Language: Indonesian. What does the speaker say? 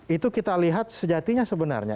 itu kita lihat sejatinya sebenarnya